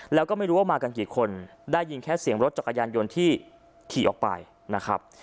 แล้วก็ไม่รู้ว่ามากันกี่คนได้ยินแค่เสียงรถจักรยานยนต์ที่ขี่ออกไปนะครับ